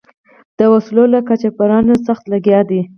د وسلو له قاچبرانو سخت لګیا دي.